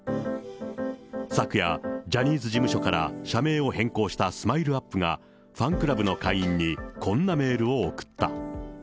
昨夜、ジャニーズ事務所から社名を変更したＳＭＩＬＥーＵＰ．が、ファンクラブの会員にこんなメールを送った。